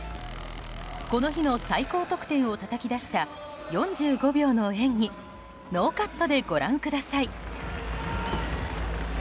この日の最高得点をたたき出した４５秒の演技ノーカットでご覧ください。